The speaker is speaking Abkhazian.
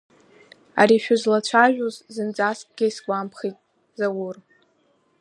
Ари шәызлацәажәоз зынӡаскгьы исгәамԥхеит, Заур…